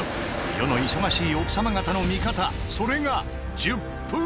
世の忙しい奥様方の味方